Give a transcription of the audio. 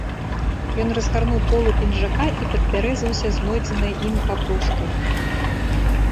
Ён разгарнуў полы пінжака і падперазаўся знойдзенай ім папружкай.